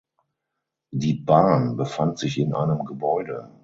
Die Bahn befand sich in einem Gebäude.